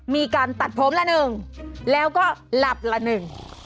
มีการตัดผมละหนึ่งแล้วก็หลับละหนึ่ง